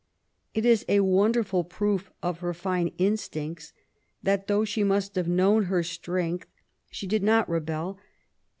It is a wonderful proof of her fine instincts that, though she must have known her strength, she did not rebel, and CHILDHOOD AND EAELT YOUTH.